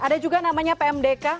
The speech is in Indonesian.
ada juga namanya pmdk